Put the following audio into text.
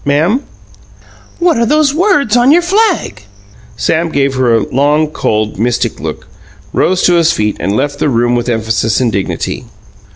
"Ma'am?" "What are those words on your flag?" Sam gave her a long, cold, mystic look, rose to his feet and left the room with emphasis and dignity.